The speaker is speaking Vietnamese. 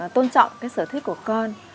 tôn trọng cái sở thích của con